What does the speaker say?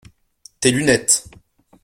Tes lunettes.